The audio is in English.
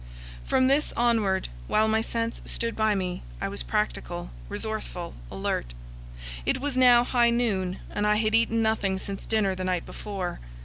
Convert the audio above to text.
From this onward, while my sense stood by me, I was practical, resourceful, alert. It was now high noon, and I had eaten nothing since dinner the night before.